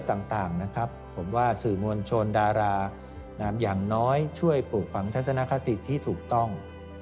อยู่ที่บริษัทต่างนะครับผมว่าสื่อมวลชนดารานะอย่างน้อยช่วยปลูกฝังทรัพย์ความคิดที่ถูกต้อง